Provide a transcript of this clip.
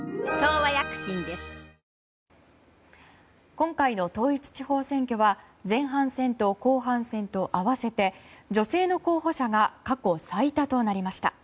今回の統一地方選挙は前半戦と後半戦と合わせて女性の候補者が過去最多となりました。